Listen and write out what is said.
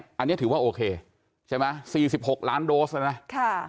อันนี้ถือว่าโอเคใช่ไหม๔๖ล้านโดสแล้วนะ